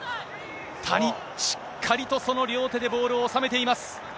谷、しっかりとその両手でボールを収めています。